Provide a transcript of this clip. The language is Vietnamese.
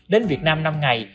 đến việt nam năm ngày